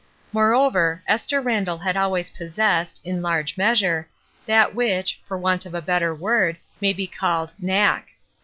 Moreover, Esther Randall had always possessed, in large measure, that which, for want of a better word, may be called knack.